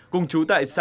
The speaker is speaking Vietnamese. cùng chú tại xã